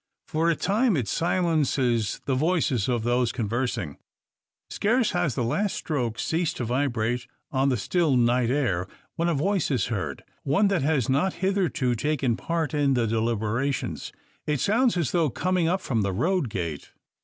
For a time it silences the voices of those conversing. Scarce has the last stroke ceased to vibrate on the still night air, when a voice is heard; one that has not hitherto taken part in the deliberations. It sounds as though coming up from the road gate.